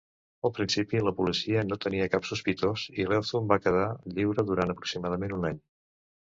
Al principi, la policia no tenia cap sospitós, i Eithun va quedar lliure durant aproximadament un any.